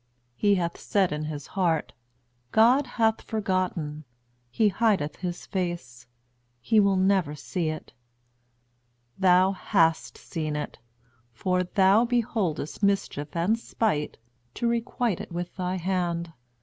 He hath said in his heart, God hath forgotten; He hideth his face; He will never see it. Thou hast seen it; for thou beholdest mischief and spite, to requite it with thy hand.